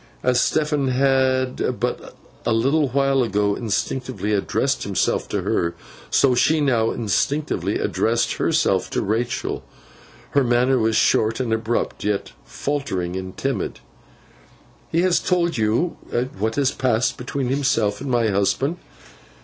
As Stephen had but a little while ago instinctively addressed himself to her, so she now instinctively addressed herself to Rachael. Her manner was short and abrupt, yet faltering and timid. 'He has told you what has passed between himself and my husband?